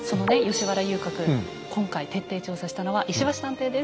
吉原遊郭今回徹底調査したのは石橋探偵です。